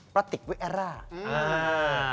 พราติกเวอราคอา